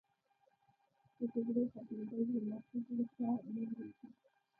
د جګړې ختمېدل، زما خو زړه ته نه لوېږي.